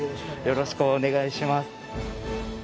よろしくお願いします。